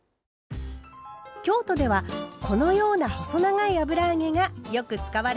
京都ではこのような細長い油揚げがよく使われています。